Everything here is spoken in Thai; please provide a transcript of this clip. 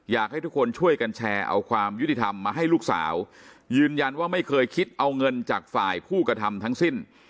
อยากให้ทุกคนช่วยกันแชร์เอาความยุติธรรมมาให้ลูกสาวยืนยันว่าไม่เคยคิดเอาเงินจากฝ่ายผู้กระทำทั้งสิ้น